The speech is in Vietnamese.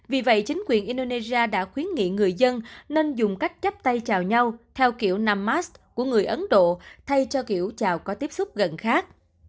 vì vậy chính quyền indonesia đã khuyến nghị người dân nên dùng cách chấp tay chào nhau theo kiểu năm max của người ấn độ thay cho kiểu chào có tiếp xúc gần khác